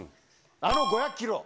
あの５００キロ。